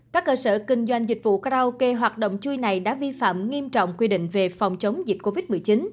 các cơ sở kinh doanh dịch vụ karaoke hoạt động chui này đã vi phạm nghiêm trọng quy định về phòng chống dịch covid một mươi chín